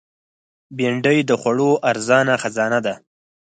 بېنډۍ د خوړو ارزانه خزانه ده